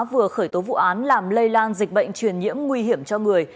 vừa khởi tố vụ án làm lây lan dịch bệnh truyền nhiễm nguy hiểm cho người